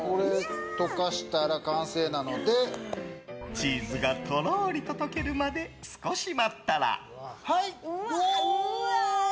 チーズがとろりと溶けるまで少し待ったら。